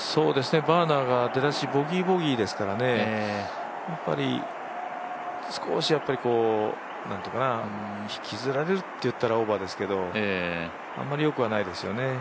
バーナーが出だしボギー、ボギーですからね少し引きずられるっていったらオーバーですけどあんまり良くはないですよね。